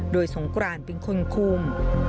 โดยสงกรานเป็นคนคุม